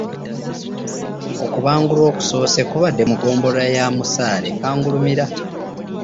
Okubangulwa okusoose kubadde mu ggombolola ya Musaale Kangulumira